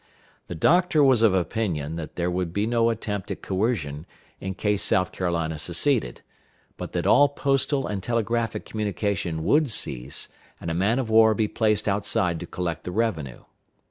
The doctor was of opinion there would be no attempt at coercion in case South Carolina seceded, but that all postal and telegraphic communication would cease, and a man of war be placed outside to collect the revenue.